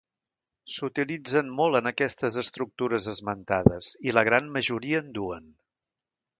S'utilitzen molt en aquestes estructures esmentades i la gran majoria en duen.